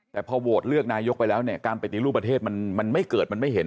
แต่พอโหวตเลือกนายกไปแล้วเนี่ยการปฏิรูปประเทศมันไม่เกิดมันไม่เห็น